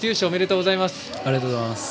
ありがとうございます。